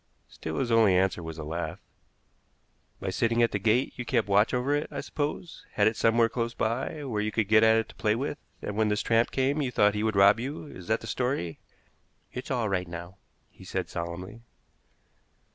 Still his only answer was a laugh. "By sitting at the gate you kept watch over it, I suppose? Had it somewhere close by, where you could get at it to play with; and when this tramp came you thought he would rob you. Is that the story?" "It's all right now," he said solemnly.